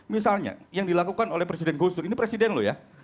misalnya yang dilakukan oleh presiden gus dur ini presiden loh ya